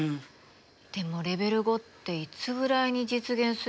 でもレベル５っていつぐらいに実現するんだろう。